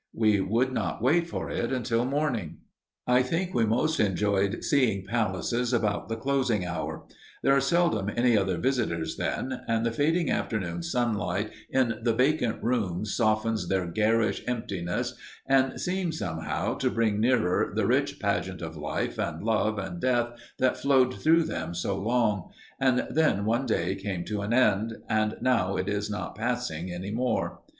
We would not wait for it until morning. I think we most enjoyed seeing palaces about the closing hour. There are seldom any other visitors then, and the fading afternoon sunlight in the vacant rooms softens their garish emptiness and seems, somehow, to bring nearer the rich pageant of life and love and death that flowed through them so long, and then one day came to an end, and now it is not passing any more.